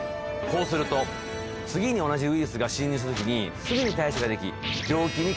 こうすると次に同じウイルスが侵入した時にすぐに対処ができ。